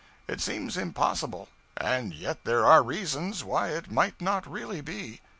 It seems impossible; and yet there are reasons why it might not really be.